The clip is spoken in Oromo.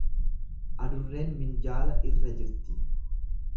Adurreen minjaala irra jirti.